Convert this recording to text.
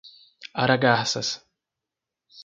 Aragarças